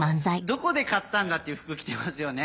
どこで買ったんだ？っていう服着てますよね。